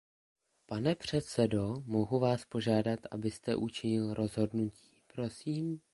Pane předsedo, mohu vás požádat, abyste učinil rozhodnutí, prosím?